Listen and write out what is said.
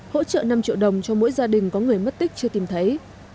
hỗ trợ năm triệu đồng cho mỗi gia đình có người mất tích chưa tìm thấy